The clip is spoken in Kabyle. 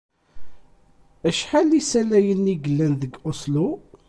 Acḥal isalayen i yellan deg Oslo?